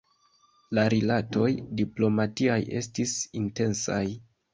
La rilatoj diplomatiaj estis intensaj.